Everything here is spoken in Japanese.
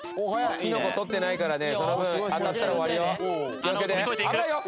キノコ取ってないからねその分当たったら終わるよ。